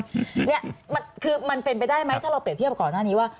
เนี่ยมันคือมันเป็นไปได้ไหมถ้าเราเปรียบเทียบก่อนหน้านี้ว่า